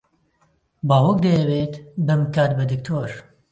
باوک دەیەوێت بمکات بە دکتۆر.